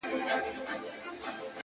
دې يوه لمن ښكلا په غېږ كي ايښې ده،